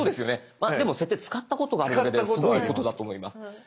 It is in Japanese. まあでも「設定」使ったことがあるだけですごいことだと思います。